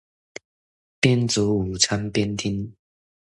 邊煮午餐邊聽